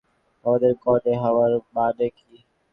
আমাদের কণে হওয়ার মানে কি?